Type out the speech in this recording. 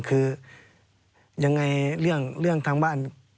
คือยังไงเรื่องทางบ้าน